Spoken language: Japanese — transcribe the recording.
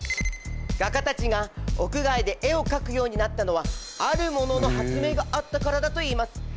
画家たちが屋外で絵を描くようになったのは「あるもの」の発明があったからだといいます。